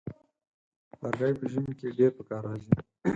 لرګی په ژمي کې ډېر پکار راځي.